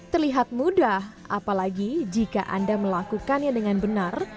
terlihat mudah apalagi jika anda melakukannya dengan benar